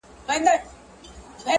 او چوپتيا خپره ده هر ځای,